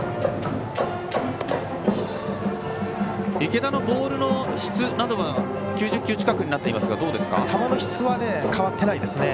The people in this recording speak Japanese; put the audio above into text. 池田のボールの質などは９０球近くになっていますが球の質は変わっていないですね。